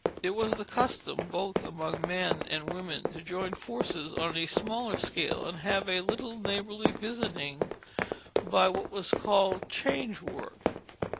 It was the custom both among men and women to join forces on a smaller scale and have a little neighborly visiting by what was called "change work."